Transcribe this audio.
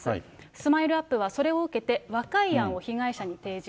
スマイルアップはそれを受けて、和解案を被害者に提示。